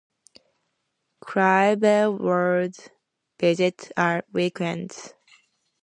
Clive Bell would visit at weekends.